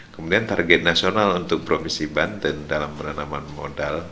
kemudian target nasional untuk provinsi banten dalam penanaman modal